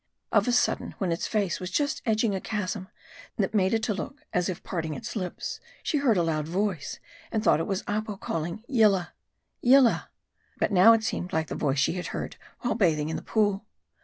Of a sudden, when its face was just edging a chasm, that made it to look as if parting its lips, she heard a loud voice, and thought it was Apo calling " Yillah ! Yillah !" But now it seemed like the voice she had heard while bathing in the pool.